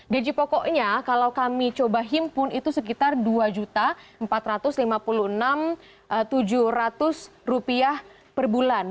gaji pokoknya kalau kami coba himpun itu sekitar rp dua empat ratus lima puluh enam tujuh ratus per bulan